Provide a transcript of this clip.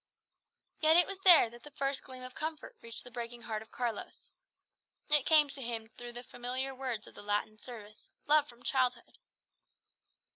Yet it was there that the first gleam of comfort reached the breaking heart of Carlos. It came to him through the familiar words of the Latin service, loved from childhood.